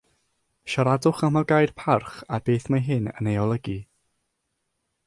Siaradwch am y gair parch a beth mae hyn yn ei olygu